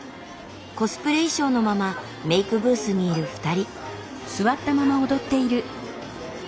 コスプレ衣装のままメイクブースにいる２人。